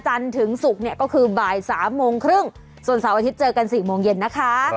จันทร์ถึงศุกร์เนี่ยก็คือบ่ายสามโมงครึ่งส่วนสามอาทิตย์เจอกันสี่โมงเย็นนะคะ